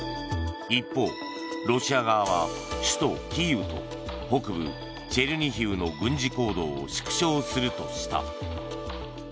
一方、ロシア側は首都キーウと北部チェルニヒウの軍事行動を縮小するとした。